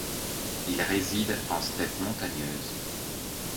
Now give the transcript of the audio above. Il réside en steppe montagneuse.